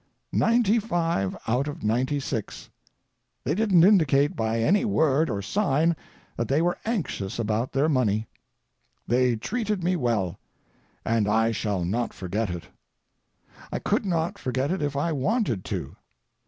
Ninety five out of the ninety six—they didn't indicate by any word or sign that they were anxious about their money. They treated me well, and I shall not forget it; I could not forget it if I wanted to.